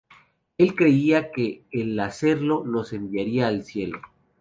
Él creía que el hacerlo los enviaría al cielo.